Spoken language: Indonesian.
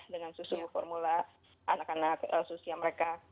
dengan susu susu formula anak anak susu yang mereka